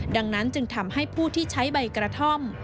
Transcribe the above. ดังนั้นจึงทำให้ผู้ที่ใช้ใบกระท่อม